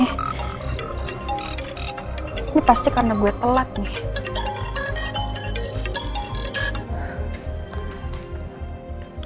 ini pasti karena gue telat nih